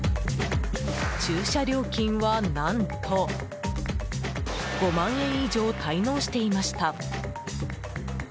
駐車料金は、何と５万円以上滞納していました。